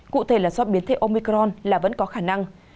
cụ thể là do biến thể omicron là vẫn có khả năng